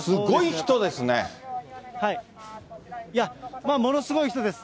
いや、ものすごい人です。